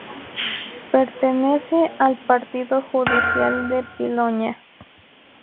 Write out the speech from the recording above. Pertenece al partido judicial de Piloña.